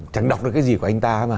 chẳng đọc được cái gì của anh ta